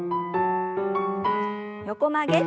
横曲げ。